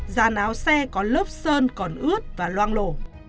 giàn áo xe có lớp sơn còn ướt và loang lổ